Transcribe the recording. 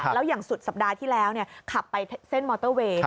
แล้วอย่างสุดสัปดาห์ที่แล้วขับไปเส้นมอเตอร์เวย์